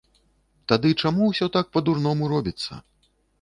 Тады чаму ўсё так па-дурному робіцца?